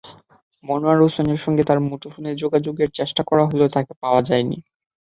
মনোয়ার হোসেনের সঙ্গে তাঁর মুঠোফোনে যোগাযোগের চেষ্টা করা হলেও তাঁকে পাওয়া যায়নি।